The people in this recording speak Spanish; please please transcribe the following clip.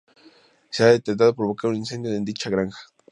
Se ha intentado provocar un incendio en dicha granja.